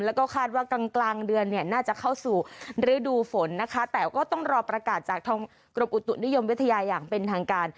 แล้วก็คาดว่ากลางกลางเดือนเนี่ยน่าจะเข้าสู่ฤดูฝนนะคะแต่ก็ต้องรอประกาศจากทางกรมอุตุนิยมวิทยาอย่างเป็นทางการ